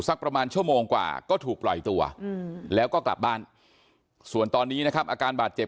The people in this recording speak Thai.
สักประมาณชั่วโมงกว่าก็ถูกปล่อยตัวแล้วก็กลับบ้านส่วนตอนนี้นะครับอาการบาดเจ็บ